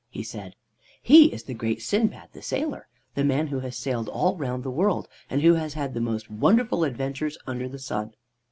he said. "He is the great Sindbad the Sailor, the man who has sailed all round the world, and who has had the most wonderful adventures under the sun."